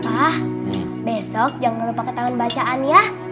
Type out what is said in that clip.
pa besok jangan lupa ke taman bacaan ya